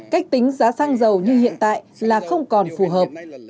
cách tính giá xăng dầu như hiện tại là không còn phù hợp